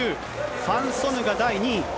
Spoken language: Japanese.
ファン・ソヌが第２位。